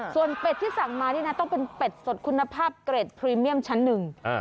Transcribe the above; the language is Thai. ส่วนเป็ดที่สั่งมานี่นะต้องเป็นเป็ดสดคุณภาพเกร็ดพรีเมียมชั้นหนึ่ง